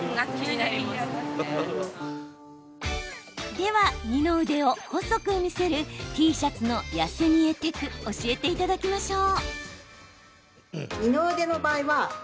では、二の腕を細く見せるＴシャツの痩せ見えテク教えていただきましょう。